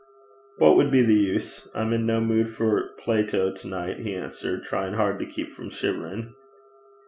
'What would be the use? I'm in no mood for Plato to night,' he answered, trying hard to keep from shivering.